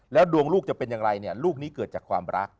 ดวงลูกจะเป็นอย่างไรเนี่ยลูกนี้เกิดจากความรัก